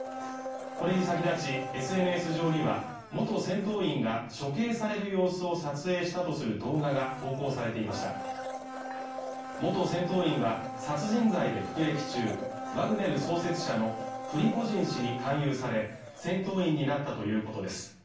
これに先立ちＳＮＳ上には元戦闘員が処刑される様子を撮影したとする動画が投稿されていました元戦闘員は殺人罪で服役中ワグネル創設者のプリゴジン氏に勧誘され戦闘員になったということです